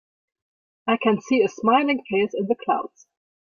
I can see a smiling face in the clouds.